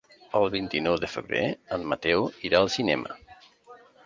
El vint-i-nou de febrer en Mateu irà al cinema.